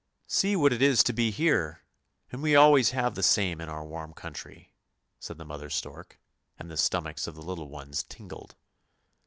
" See what it is to be here, and we always have the same in our warm country," said the mother stork, and the stomachs of the little ones tingled.